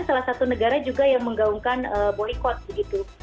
salah satu negara juga yang menggaungkan boykot begitu